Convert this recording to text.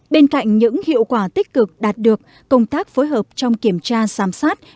bên cạnh những hiệu quả tích cực đạt được công tác phối hợp trong kiểm tra sám sát